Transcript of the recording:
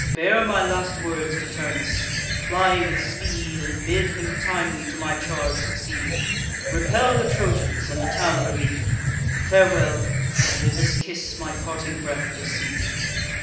Bear my last words to Turnus; fly with speed, And bid him timely to my charge succeed, Repel the Trojans, and the town relieve: Farewell! and in this kiss my parting breath receive."